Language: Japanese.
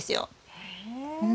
へえ。